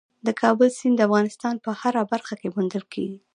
د کابل سیند د افغانستان په هره برخه کې موندل کېږي.